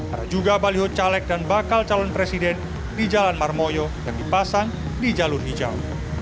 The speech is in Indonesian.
ada juga baliho caleg dan bakal calon presiden di jalan marmoyo yang dipasang di jalur hijau